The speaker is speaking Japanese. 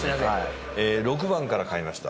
６番から買いました。